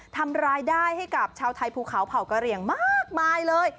ทำรายได้ให้กับชาวไทยภูเขาเผ่ากระเหลี่ยงมากมายเลย